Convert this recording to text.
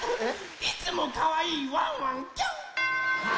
いつもかわいいワンワンキャン！